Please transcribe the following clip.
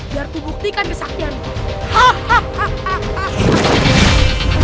biar ku buktikan kesakianmu